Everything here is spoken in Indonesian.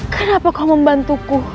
kenapa kau membantuku